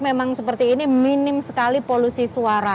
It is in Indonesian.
memang seperti ini minim sekali polusi suara